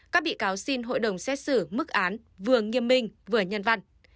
các bị cáo xin hội đồng xét xử mức án vừa nghiêm minh vừa nhân văn